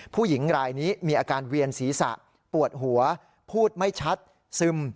ผู้หญิงรายนี้มีอาการเวียนศีรษะปวดหัวพูดไม่ชัดซึม